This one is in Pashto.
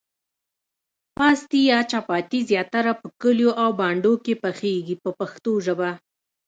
پاستي یا چپاتي زیاتره په کلیو او بانډو کې پخیږي په پښتو ژبه.